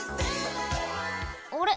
あれ？